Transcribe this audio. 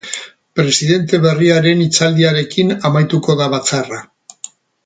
Presidente berriaren hitzaldiarekin amaituko da batzarra.